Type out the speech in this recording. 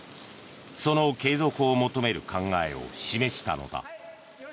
その継続を求める考えを示したのだ。